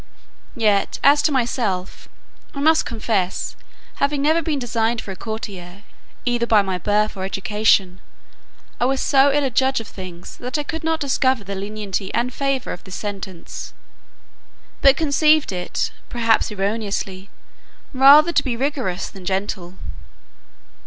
Yet, as to myself, I must confess, having never been designed for a courtier, either by my birth or education, I was so ill a judge of things, that I could not discover the lenity and favour of this sentence, but conceived it (perhaps erroneously) rather to be rigorous than gentle.